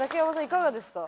いかがですか？